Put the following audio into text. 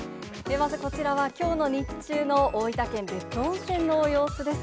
まずこちらは、きょう日中の大分県別府温泉の様子です。